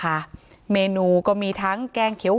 การแก้เคล็ดบางอย่างแค่นั้นเอง